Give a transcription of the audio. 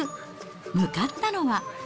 向かったのは。